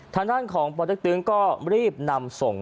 ทางด้านของปลอดศักดิ์ตื้นก็รีบนำส่ง